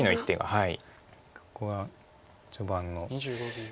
はい。